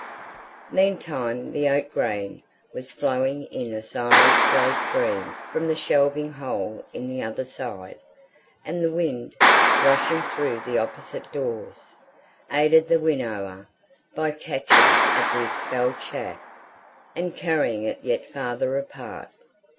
Meantime the oat grain was flowing in a silent slow stream from the shelving hole in the other side, and the wind, rushing through the opposite doors, aided the winnower by catching at the expelled chaff, and carrying it yet farther apart.